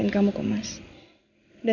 nanti keras dah